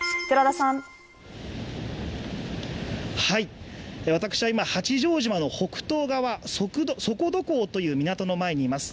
はい私は今八丈島の北東側、底土港という港の前にいます